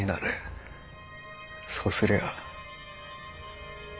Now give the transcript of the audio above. そうすりゃ。